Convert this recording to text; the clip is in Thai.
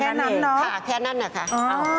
เท่านั้นเองนะแค่นั้นค่ะ